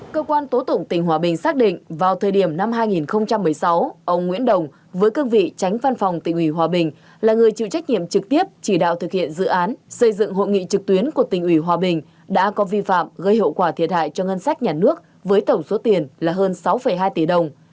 cơ quan tố tụng tỉnh hòa bình xác định vào thời điểm năm hai nghìn một mươi sáu ông nguyễn đồng với cương vị tránh văn phòng tỉnh ủy hòa bình là người chịu trách nhiệm trực tiếp chỉ đạo thực hiện dự án xây dựng hội nghị trực tuyến của tỉnh ủy hòa bình đã có vi phạm gây hậu quả thiệt hại cho ngân sách nhà nước với tổng số tiền là hơn sáu hai tỷ đồng